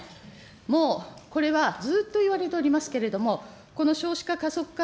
もうこれはずっといわれておりますけれども、この少子化加速化